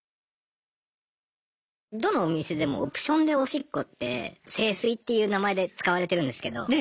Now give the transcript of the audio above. どのお店でもオプションでおしっこって聖水っていう名前で使われてるんですけど。